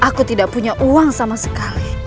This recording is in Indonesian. aku tidak punya uang sama sekali